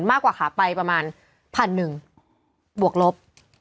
มากกว่าขาไปประมาณ๑บวกลบ